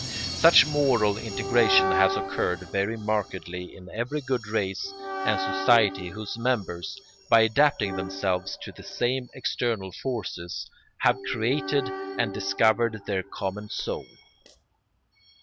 Such moral integration has occurred very markedly in every good race and society whose members, by adapting themselves to the same external forces, have created and discovered their common soul.